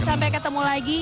sampai ketemu lagi